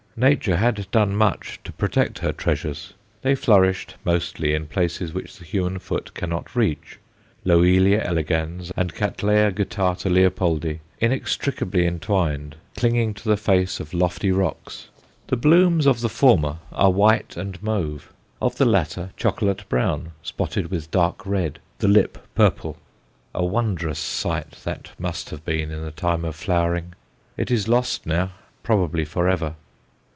Nature had done much to protect her treasures; they flourished mostly in places which the human foot cannot reach Loelia elegans and Cattleya g. Leopoldi inextricably entwined, clinging to the face of lofty rocks. The blooms of the former are white and mauve, of the latter chocolate brown, spotted with dark red, the lip purple. A wondrous sight that must have been in the time of flowering. It is lost now, probably for ever.